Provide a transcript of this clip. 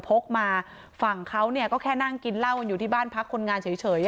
พกมาฝั่งเขาเนี้ยก็แค่นั่งกินเหล้าอยู่ที่บ้านพักคนงานเฉยเฉยอ่ะ